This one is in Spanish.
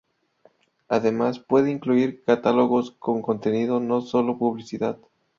Además pueden incluir catálogos con contenido, no sólo publicidad.